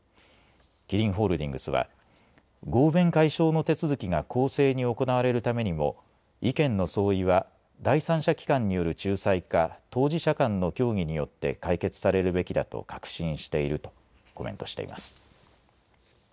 キリンホールディングスは合弁解消の手続きが公正に行われるためにも意見の相違は第三者機関による仲裁か当事者間の協議によって解決されるべきだと確信しているとコメントしています。